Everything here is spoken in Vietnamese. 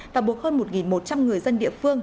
và buộc hơn một một trăm linh người dân địa phương